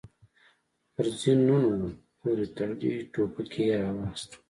پر زينونو پورې تړلې ټوپکې يې را واخيستې.